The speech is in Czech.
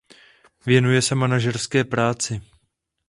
Věnuje se manažerské práci.